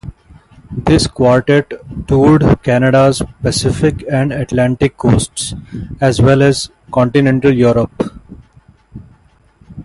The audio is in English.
This quartet toured Canada's Pacific and Atlantic coasts, as well as continental Europe.